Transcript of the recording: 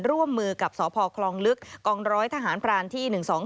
ร่วมมือกับสพคลองลึกกองร้อยทหารพรานที่๑๒๒